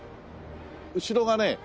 後ろがね